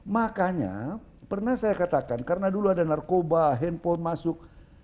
makanya pernah saya katakan karena dulu ada narkoba handphone masuk